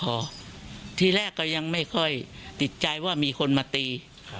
พอทีแรกก็ยังไม่ค่อยติดใจว่ามีคนมาตี